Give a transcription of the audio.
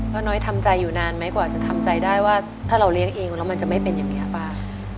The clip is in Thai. น้อยทำใจอยู่นานไหมกว่าจะทำใจได้ว่าถ้าเราเลี้ยงเองแล้วมันจะไม่เป็นอย่างนี้ป้า